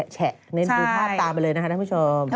แฉะเน้นดูภาพตามไปเลยนะคะท่านผู้ชม